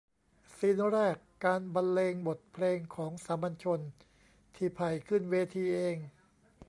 ซีนแรก การบรรเลงบทเพลงของสามัญชน ที่ไผ่ขึ้นเวทีเอง